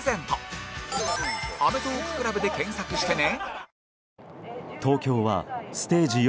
「アメトーーク ＣＬＵＢ」で検索してね